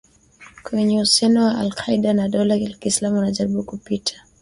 Wenye uhusiano na al-Kaeda na Dola la kiislamu wanajaribu kupita